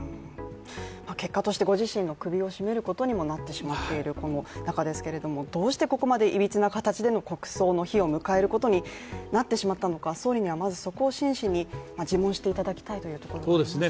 結果としてご自身の首を絞めることにもなっているということですがどうしてここまでいびつな形での国葬の日を迎えることになってしまったのか、総理にはまずそこを真摯に自問していただきたいというところですね。